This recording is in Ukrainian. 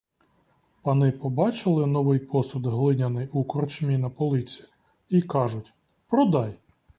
Пани побачили новий посуд глиняний у корчмі на полиці й кажуть — продай.